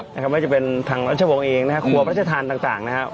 ไม่ว่าจะเป็นทางรัชวงศ์เองนะครับครัวพระราชทานต่างนะครับ